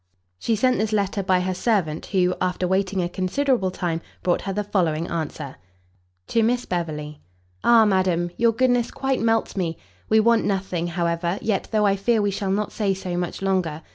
She sent this letter by her servant, who, after waiting a considerable time, brought her the following answer. To Miss Beverley. Ah madam! your goodness quite melts me! we want nothing, however, yet, though I fear we shall not say so much longer.